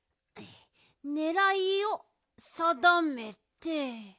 ねらいをさだめて。